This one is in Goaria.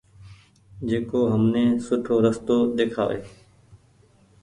جڪو همني سوُٺو رستو ۮيکآوي ۔